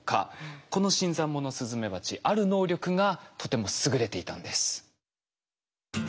この新参者スズメバチある能力がとても優れていたんです。